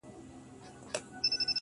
سره رڼا د سُرکو سونډو په کوټه کي~